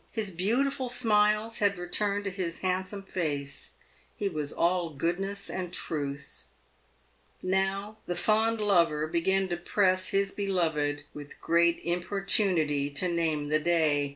His beautiful smiles had returned to his handsome face. He was all goodness and truth. Now the fond lover began to press his beloved with great importu nity to name the day.